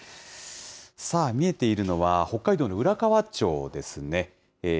さあ、見えているのは、北海道の浦河町ですね。